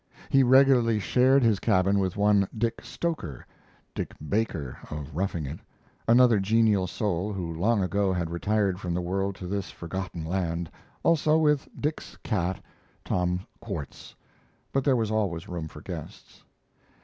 He regularly shared his cabin with one Dick Stoker (Dick Baker, of 'Roughing It'), another genial soul who long ago had retired from the world to this forgotten land, also with Dick's cat, Tom Quartz; but there was always room for guests.